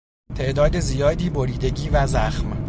تعداد زیادی بریدگی و زخم